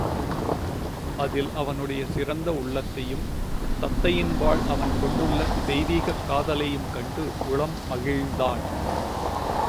அதில் அவனுடைய சிறந்த உள்ளத்தையும், தத்தையின்பால் அவன் கொண்டுள்ள தெய்வீகக் காதலையும் கண்டு உளம் மகிழ்ந்தாள்.